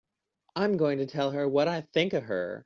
I'm going to tell her what I think of her!